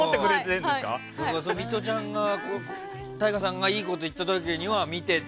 ミトちゃんがＴＡＩＧＡさんがいいことを言った時には見てと。